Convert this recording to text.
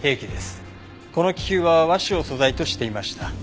この気球は和紙を素材としていました。